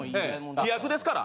飛躍ですから。